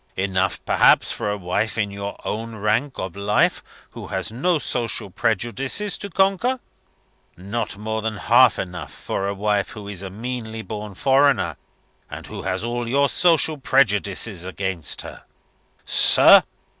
Enough, perhaps, for a wife in your own rank of life who has no social prejudices to conquer. Not more than half enough for a wife who is a meanly born foreigner, and who has all your social prejudices against her.' Sir!